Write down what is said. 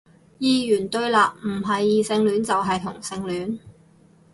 二元對立，唔係異性戀就係同性戀